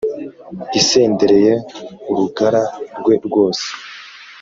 Isendereye urugara rwe rwose